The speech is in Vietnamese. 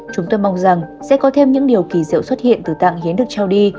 chúng tôi mong rằng sẽ có thêm những điều kỳ diệu xuất hiện từ tạng hiến được trao đi